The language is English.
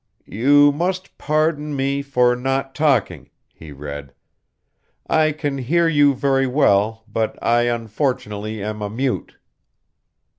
"You must pardon me for not talking," he read. "I can hear you very well, but I, unfortunately, am a mute."